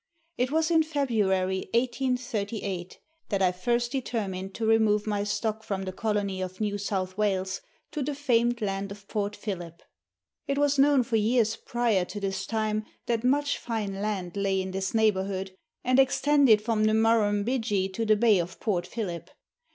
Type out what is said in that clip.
It was in February 1838, that I first determined to remove my stock from the colony of New South Wales to the famed land of Port Phillip. It was known for years prior to this time that much fine land lay in this neighbourhood, and extended from the Murrumbidgee to the Bay of Port Phillip.